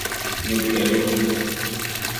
nyɔ' piɛligu.